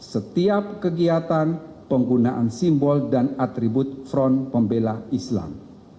setiap kegiatan penggunaan simbol dan atribut front pembela islam